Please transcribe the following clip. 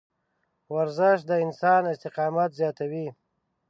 ورزش د انسان استقامت زیاتوي.